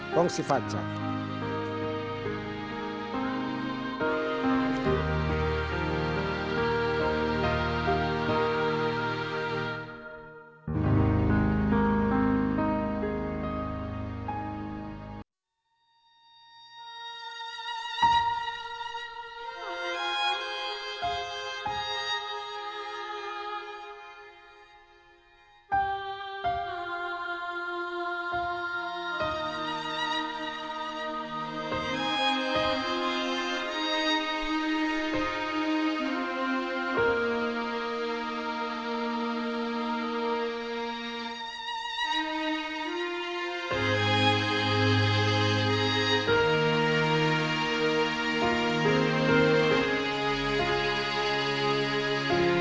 daripada mengutuk kegelapan